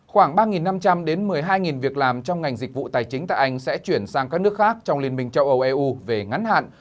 khoảng ba năm trăm linh đến một mươi hai việc làm trong ngành dịch vụ tài chính tại anh sẽ chuyển sang các nước khác trong liên minh châu âu eu về ngắn hạn